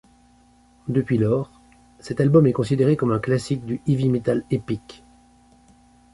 Depuis lors, cet album est considéré comme un classique du heavy metal épique.